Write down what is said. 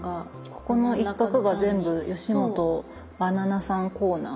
ここの一画が全部吉本ばななさんコーナー。